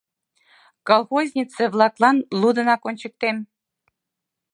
Колхознице-влаклан лудынак ончыктем.